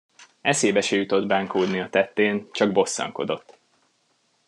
Eszébe se jutott bánkódni a tettén, csak bosszankodott.